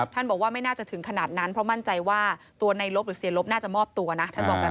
ท่านบอกว่าไม่น่าจะถึงขนาดนั้นเพราะมั่นใจว่าตัวในลบหรือเสียลบน่าจะมอบตัวนะ